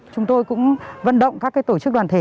chúng tôi cũng vận động các tổ chức đoàn thể